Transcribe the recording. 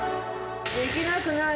できなくない！